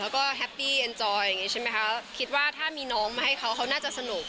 แล้วก็แฮปปี้เอ็นจอยอย่างนี้ใช่ไหมคะคิดว่าถ้ามีน้องมาให้เขาเขาน่าจะสนุก